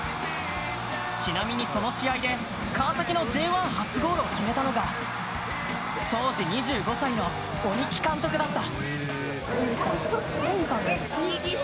ちなみにその試合で川崎のＪ１初ゴールを決めたのが当時２５歳の鬼木監督だった。